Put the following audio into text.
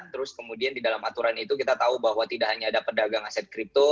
terus kemudian di dalam aturan itu kita tahu bahwa tidak hanya ada pedagang aset kripto